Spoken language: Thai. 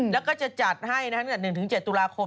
แล้วก็จะจัดให้๑๗ตุลาคม